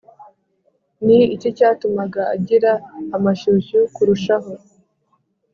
ni iki cyatumaga agira amashyushyu kurushaho?